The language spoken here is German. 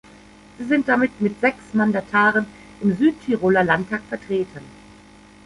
Sie sind damit mit sechs Mandataren im Südtiroler Landtag vertreten.